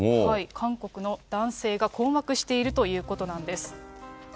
韓国の男性が困惑しているということなんです。